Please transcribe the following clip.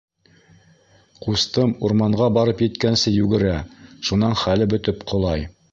Ҡустым урманға барып еткәнсе йүгерә, шунан хәле бөтөп ҡолай.